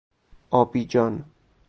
آبی جان